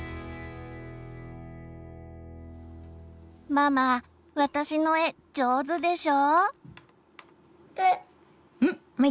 ママ私の絵上手でしょ。